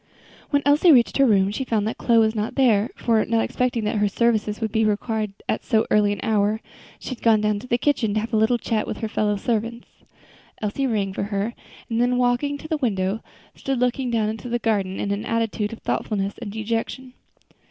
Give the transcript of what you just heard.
When Elsie reached her room, she found that Chloe was not there; for, not expecting that her services would be required at so early an hour, she had gone down to the kitchen to have a little chat with her fellow servants. Elsie rang for her, and then walking to the window, stood looking down into the garden in an attitude of thoughtfulness and dejection.